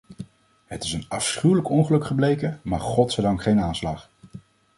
Het is een afschuwelijk ongeluk gebleken, maar godzijdank geen aanslag.